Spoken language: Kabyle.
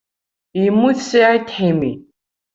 Yemmut Saɛid Ḥimi.